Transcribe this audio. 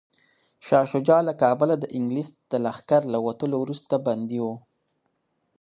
شاه شجاع له کابله د انګلیس د لښکر له وتلو وروسته بندي و.